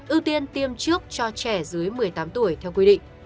ưu tiên tiêm trước cho trẻ dưới một mươi tám tuổi theo quy định